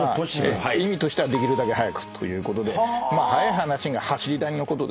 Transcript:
意味としてはできるだけ早くということで。